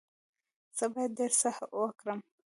زه باید ډیر هڅه وکړم.